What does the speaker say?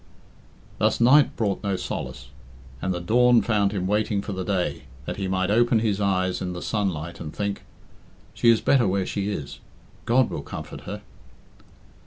Thus night brought no solace, and the dawn found him waiting for the day, that he might open his eyes in the sunlight and think, "She is better where she is; God will comfort her."